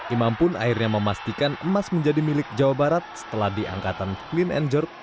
imam pun akhirnya memastikan emas menjadi milik jawa barat setelah di angkatan clean and jerk